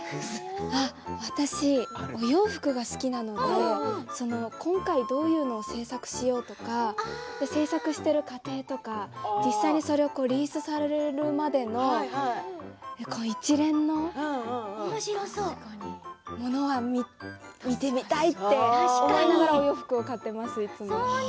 私、お洋服が好きなので今回どういうのを制作しようとか制作している過程とか実際にリリースされるまでの一連のものは見てみたいって思いながらお洋服を買っています、いつも。